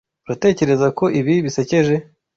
Uratekereza ko ibi bisekeje?